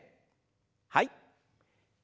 はい。